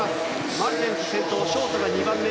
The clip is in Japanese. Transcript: マルテンスが先頭でショートが２番目。